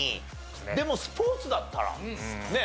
でもスポーツだったらねえ。